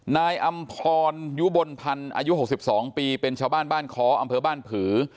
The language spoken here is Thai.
นายอำพรยุบลพันธ์อายุ๖๒ปีเป็นชาวบ้านบ้านค้ออำเภอบ้านผือ